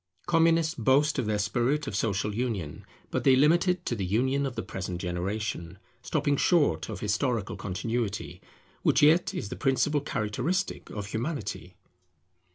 Communists boast of their spirit of social union; but they limit it to the union of the present generation, stopping short of historical continuity, which yet is the principal characteristic of Humanity.